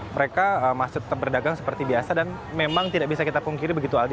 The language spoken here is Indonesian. mereka masih tetap berdagang seperti biasa dan memang tidak bisa kita pungkiri begitu aldi